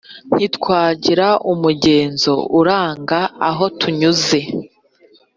ntitwagira umugenzo uranga aho tunyuze,